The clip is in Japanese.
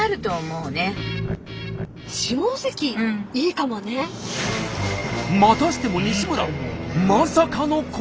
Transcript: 私ねまたしても西村まさかの行動に！